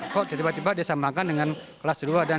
kok tiba tiba disamakan dengan kelas dua dan tiga